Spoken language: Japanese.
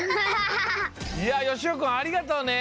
いやよしおくんありがとうね。